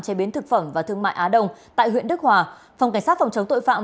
chế biến thực phẩm và thương mại á đông tại huyện đức hòa phòng cảnh sát phòng chống tội phạm